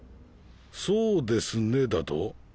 「そうですね」だと？